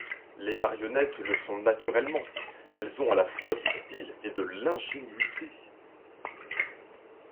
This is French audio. Les marionnettes le sont naturellement : elles ont à la fois du style et de l'ingénuité.